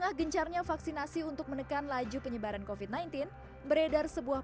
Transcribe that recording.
vaksin coronavac atau vaksin sinovac produksi sinovac biotech ltd asal tiongkok adalah satu dari dua vaksin yang diadakan